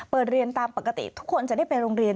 เรียนตามปกติทุกคนจะได้ไปโรงเรียน